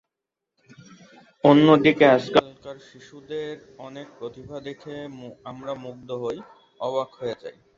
অন্যদিকে আজকালকার শিশুদের অনেক প্রতিভা দেখে আমরা মুগ্ধ হই, অবাক হয়ে যাই।